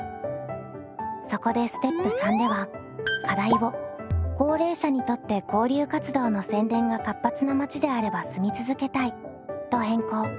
そこでステップ３では課題を「高齢者にとって交流活動の宣伝が活発な町であれば住み続けたい」と変更。